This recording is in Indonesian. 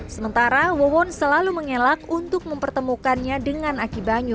sementara wawon selalu mengelak untuk mempertemukannya dengan aki banyu